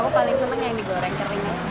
aku paling seneng yang digoreng keringnya